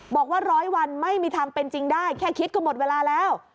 บอกว่าร้อยวันไม่มีทางเป็นจริงได้แค่คิดก็หมดเวลาแล้ว